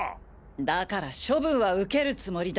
だから処分は受けるつもりだ！